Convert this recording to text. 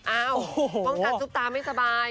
อ้าวต้องการซุปตาไม่สบาย